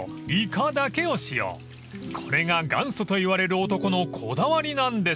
［これが元祖といわれる男のこだわりなんです］